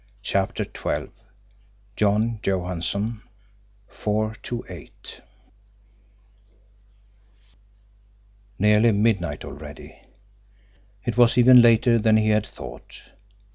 CHAPTER XII JOHN JOHANSSON FOUR TWO EIGHT Nearly midnight already! It was even later than he had thought.